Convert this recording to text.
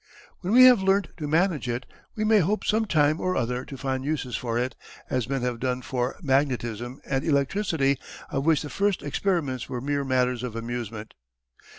When we have learnt to manage it, we may hope some time or other to find Uses for it, as men have done for Magnetism and Electricity, of which the first Experiments were mere Matters of Amusement.